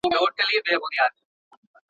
د حکومت مطالبه بايد ومنل سي.